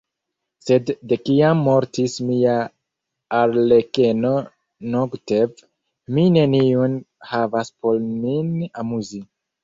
Sed de kiam mortis mia arlekeno Nogtev, mi neniun havas por min amuzi.